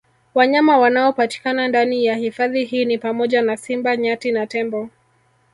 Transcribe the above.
Wanyama wanaopatikana ndani ya hifadhi hii ni pamoja na Simba Nyati na Tembo